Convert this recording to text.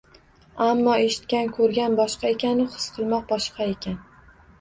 Ammo eshitgan, ko`rgan boshqa ekan-u, his qilmoq boshqa ekan